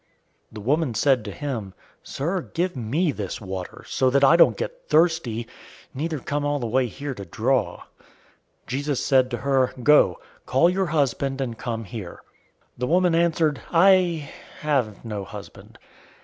004:015 The woman said to him, "Sir, give me this water, so that I don't get thirsty, neither come all the way here to draw." 004:016 Jesus said to her, "Go, call your husband, and come here." 004:017 The woman answered, "I have no husband."